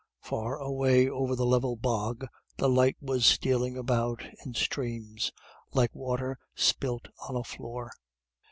Far away over the level bog the light was stealing about in streams like water spilt on a floor.